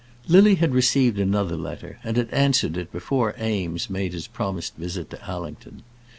Lily had received another letter, and had answered it before Eames made his promised visit to Allington.